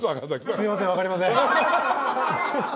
すいませんわかりません。